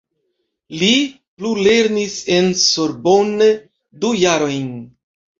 Li plulernis en Sorbonne du jarojn.